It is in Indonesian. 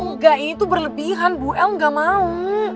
nggak ini tuh berlebihan bu el nggak mau